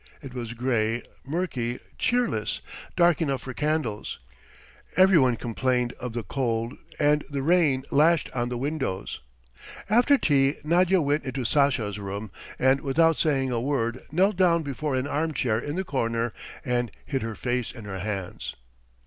It was grey, murky, cheerless, dark enough for candles; everyone complained of the cold, and the rain lashed on the windows. After tea Nadya went into Sasha's room and without saying a word knelt down before an armchair in the corner and hid her face in her hands.